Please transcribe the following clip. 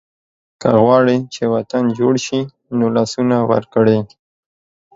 که غواړئ چې وطن جوړ شي نو لاسونه ورکړئ.